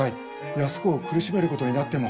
安子を苦しめることになっても。